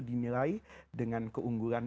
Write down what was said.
dimilai dengan keunggulan